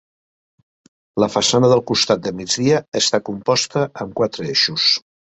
La façana del costat de migdia està composta amb quatre eixos.